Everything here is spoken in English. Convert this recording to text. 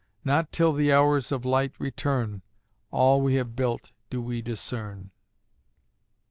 Not till the hours of light return All we have built do we discern.